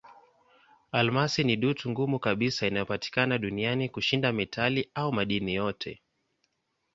Almasi ni dutu ngumu kabisa inayopatikana duniani kushinda metali au madini yote.